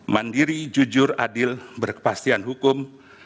mandiri jujur adil berkepastian hukum